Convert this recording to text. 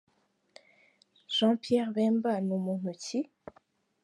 Jean Pierre Bemba ni muntu ki?.